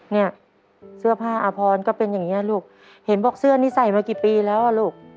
เนี่ยเสื้อผ้าอาพรก็เป็นอย่างเงี้ลูกเห็นบอกเสื้อนี้ใส่มากี่ปีแล้วอ่ะลูก